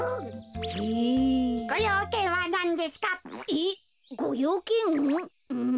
えっごようけん？